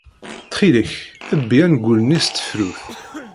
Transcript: Ttxil-k, bbi angul-nni s tefrut.